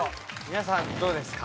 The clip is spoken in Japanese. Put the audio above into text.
皆さんどうですか？